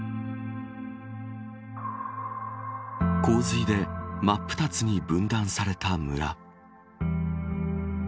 洪水で真っ二つに分断された村。